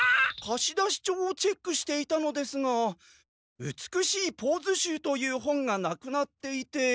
貸出帳をチェックしていたのですが「美しいポーズ集」という本がなくなっていて。